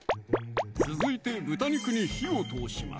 続いて豚肉に火を通します